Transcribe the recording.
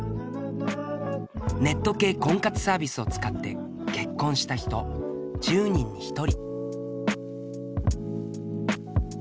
ネット系婚活サービスを使って結婚した人１０人に１人。